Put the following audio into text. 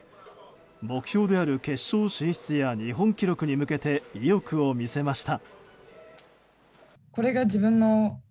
目標である決勝進出や日本記録に向けて意欲を見せました。